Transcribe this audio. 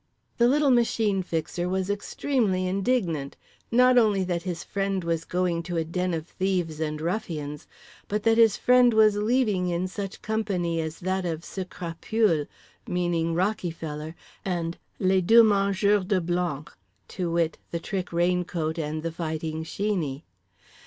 The little Machine Fixer was extremely indignant; not only that his friend was going to a den of thieves and ruffians, but that his friend was leaving in such company as that of cette crapule (meaning Rockyfeller) and les deux mangeurs de blanc (to wit, The Trick Raincoat and The Fighting Sheeney).